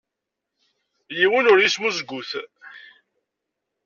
Yiwen ur ismuzgut.